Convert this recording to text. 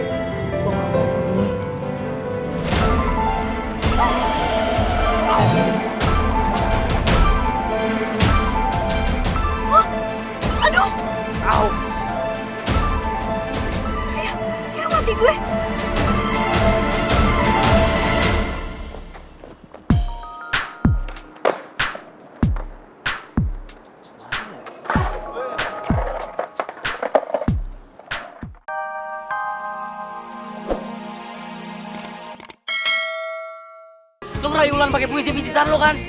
lo merayu ulan pake puisi pijisar lo kan